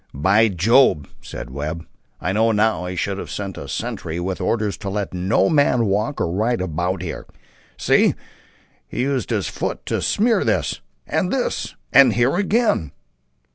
"By Jove!" said Webb, "I know now I should have set a sentry with orders to let no man walk or ride about here. See! He's used his foot to smear this and this and here again!"